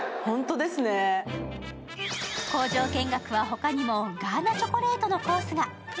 工場見学は、他にもガーナチョコレートのコースが。